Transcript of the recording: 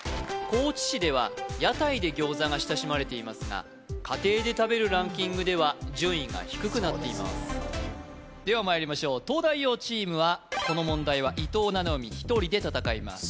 高知市では屋台で餃子が親しまれていますが家庭で食べるランキングでは順位が低くなっていますではまいりましょう東大王チームはこの問題は伊藤七海１人で戦います